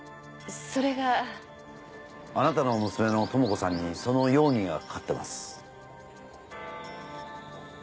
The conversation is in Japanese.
それが？あなたの娘の智子さんにその容疑がかかってます。